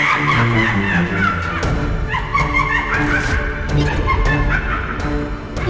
gontiknya berat sih sarah